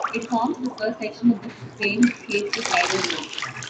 It forms the first section of the famed Cape to Cairo Road.